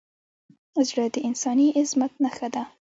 زړه د انساني عظمت نښه ده.